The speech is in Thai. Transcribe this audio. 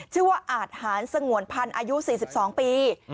ชื่อว่าอาทหารสงวนพันธ์อายุ๔๒ปี